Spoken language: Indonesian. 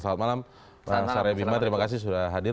selamat malam saraya bima terima kasih sudah hadir